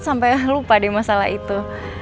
sampai lupa di masalah itu